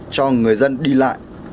cho người dân đi lại